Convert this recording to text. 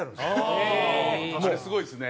あれすごいですね。